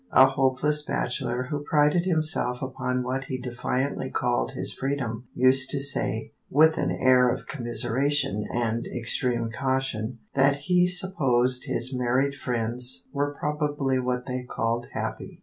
A hopeless bachelor who prided himself upon what he defiantly called his freedom, used to say, with an air of commiseration and extreme caution, that he supposed his married friends were probably what they called happy.